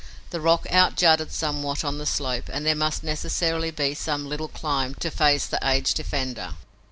The rock out jutted somewhat on the slope and there must necessarily be some little climb to face the aged defender.